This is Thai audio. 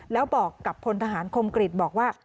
แล้วบอกกับพลทหารคมกริจบอกว่า